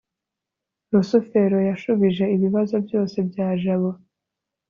rusufero yashubije ibibazo byose bya jabo